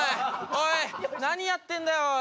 おい何やってんだよおい。